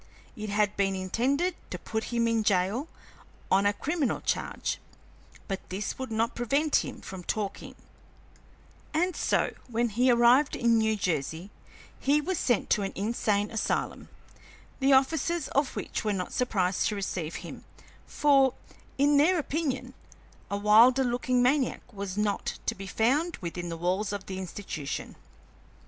It had been intended to put him in jail on a criminal charge, but this would not prevent him from talking; and so, when he arrived in New Jersey, he was sent to an insane asylum, the officers of which were not surprised to receive him, for, in their opinion, a wilder looking maniac was not, to be found within the walls of the institution.